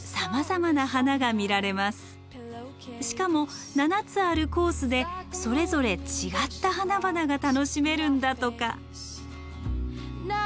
しかも７つあるコースでそれぞれ違った花々が楽しめるんだとか。